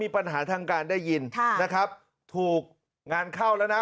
ปัญหาทางการได้ยินนะครับถูกงานเข้าแล้วนะ